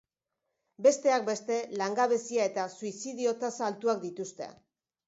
Besteak beste, langabezia eta suizidio tasa altuak dituzte.